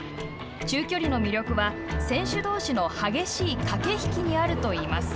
中距離の魅力は、選手同士の激しい駆け引きにあるといいます。